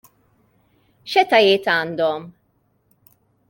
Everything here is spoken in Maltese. X'etajiet għandhom?